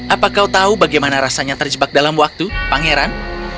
apa kau tahu bagaimana rasanya terjebak dalam waktu pangeran